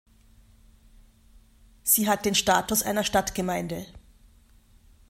Sie hat den Status einer Stadtgemeinde.